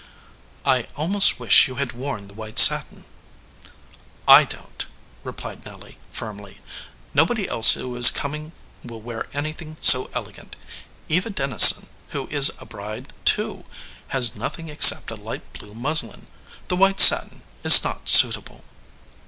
"I almost wish you had worn the white satin." "I don t," replied Nelly, firmly. "Nobody else who is coming will wear anything so elegant. Eva Dennison, who is a bride, too, has nothing except a light blue muslin. The white satin is not suit able."